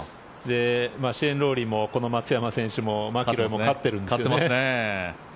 シェーン・ロウリーもこの松山選手も、マキロイも勝っているんですよね。